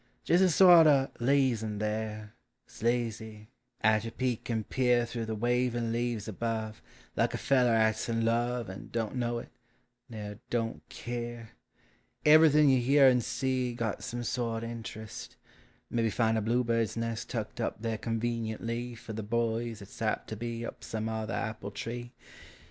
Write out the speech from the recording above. Jes' a sort o' laze in' there — S' lazy, 'at you peek and peer Through the waviif leaves above. Like a feller 'ats in love And don't know il, ner don't keer! Ever'thing yon hear ami sec Got some sorl o' interest — Maybe find a bluebird's Des1 Tucked up there conveeneiillv Per the boys 'a is apt lo be lip some oilier apple I Pee